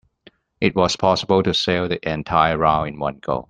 It was possible to sail the entire route in one go.